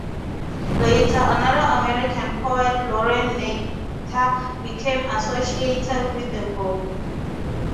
Later, another American poet, Lorine Niedecker, became associated with the group.